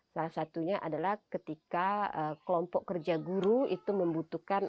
salah satunya adalah ketika kelompok kerja guru itu membutuhkan